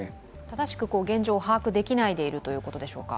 正しく現状を把握できないでいるということでしょうか。